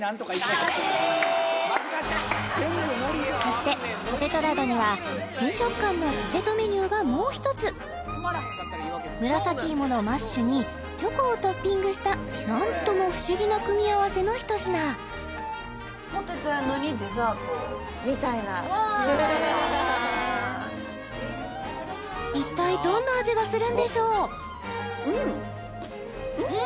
そしてポテトラドには新食感のポテトメニューがもう一つ紫芋のマッシュにチョコをトッピングした何とも不思議な組み合わせのひと品・みたいなみたいな一体どんな味がするんでしょううん！